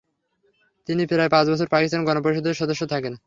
তিনি প্রায় পাঁচ বছর পাকিস্তান গণপরিষদের সদস্য থাকেন।